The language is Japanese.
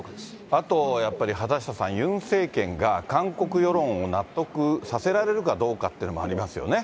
あとやっぱり畑下さん、ユン政権が韓国世論を納得させられるかどうかってのもありますよ